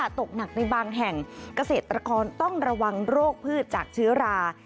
ตกหนักในบางแห่งเกษตรกรต้องระวังโรคพืชจากเชื้อรา